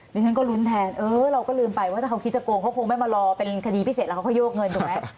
ดิฉันก็ลุ้นแทนเออเราก็ลืมไปว่าถ้าเขาคิดจะโกงเขาคงไม่มารอเป็นคดีพิเศษแล้วเขาก็โยกเงินถูกไหม